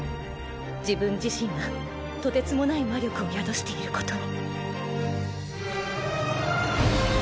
自分自身がとてつもない魔力を宿していることに。